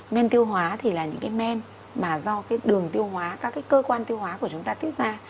men tiêu hóa thì là những cái men mà do đường tiêu hóa các cơ quan tiêu hóa của chúng ta tiết ra